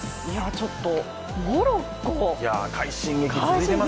ちょっと、モロッコ、快進撃。